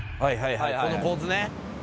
この構図ね。